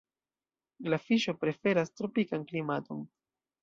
La fiŝo preferas tropikan klimaton.